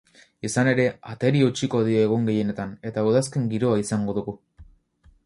Izan ere, ateri eutsiko dio egun gehienetan eta udazken giroa izango dugu.